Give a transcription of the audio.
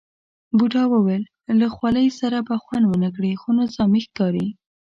بوډا وویل له خولۍ سره به خوند ونه کړي، خو نظامي ښکاري.